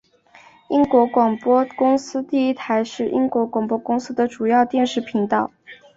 英国广播公司第一台是英国广播公司的主要电视频道。